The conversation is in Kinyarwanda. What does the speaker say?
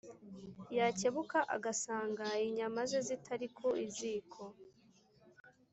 yakebuka agasanga inyama ze zitari ku ziko.